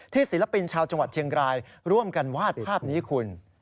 ศิลปินชาวจังหวัดเชียงรายร่วมกันวาดภาพนี้คุณ